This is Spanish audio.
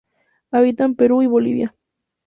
Habita en Perú y Bolivia.